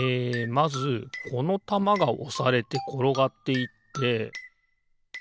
まずこのたまがおされてころがっていってなんだ？